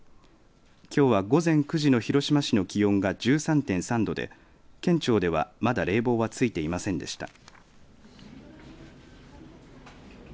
きょうは午前９時の広島市の気温が１３．３度で県庁では、まだ冷房はついていませんでした。